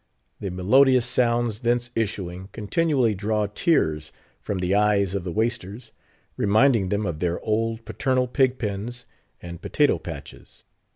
The melodious sounds thence issuing, continually draw tears from the eyes of the Waisters; reminding them of their old paternal pig pens and potato patches.